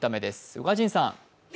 宇賀神さん。